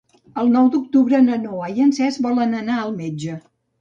El nou d'octubre na Noa i en Cesc volen anar al metge.